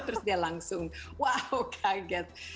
terus dia langsung wow kaget